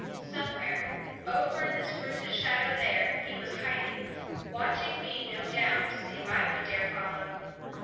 Somewhere, over in the spruces' shadow there, he was hiding, watching me no doubt to see if I would dare follow.